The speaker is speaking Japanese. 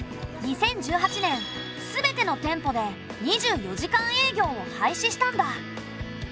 ２０１８年全ての店舗で２４時間営業を廃止したんだ。